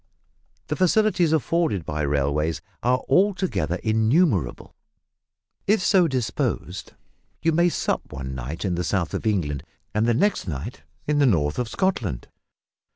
The facilities afforded by railways are altogether innumerable. If so disposed you may sup one night in the south of England and the next night in the north of Scotland.